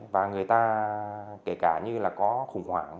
và người ta kể cả như là có khủng hoảng